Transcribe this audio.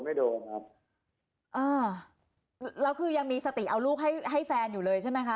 มคแล้วคือยังมีสติเอาลูกให้แฟนอยู่เลยใช่ไหมคะ